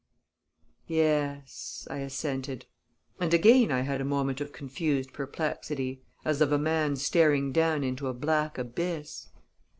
"Yes," I assented; and again I had a moment of confused perplexity, as of a man staring down into a black abyss.